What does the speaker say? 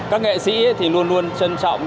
các nghệ sĩ luôn luôn trân trọng